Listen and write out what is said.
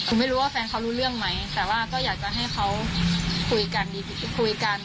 คือไม่รู้ว่าแฟนเขารู้เรื่องไหมแต่ว่าก็อยากจะให้เขาคุยกันคุยกัน